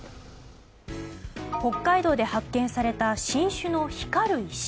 北海道で発見された新種の光る石。